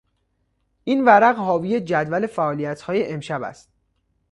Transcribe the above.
این ورقه حاوی جدول فعالیتهای امشب است.